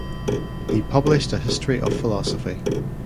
He published a history of philosophy.